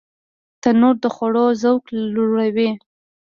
تنور د خوړو ذوق لوړوي